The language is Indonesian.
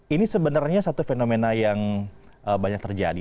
ini sebenarnya satu fenomena yang banyak terjadi